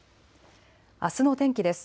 あすの天気です。